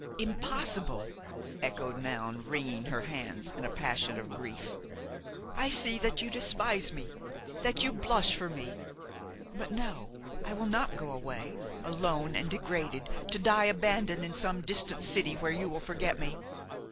"Impossible!" echoed Noun, wringing her hands in a passion of grief. "I see that you despise me–that you blush for me. But no, I will not go away, alone and degraded, to die abandoned in some distant city where you will forget me.